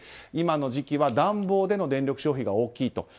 今の時期は暖房での電力消費が大きいと。